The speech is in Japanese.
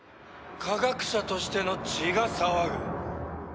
科学者としての血が騒ぐ。